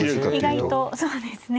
意外とそうですね。